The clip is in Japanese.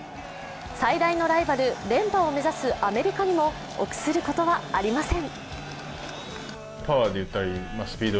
最大のライバル連覇を目指すアメリカにも臆することはありません。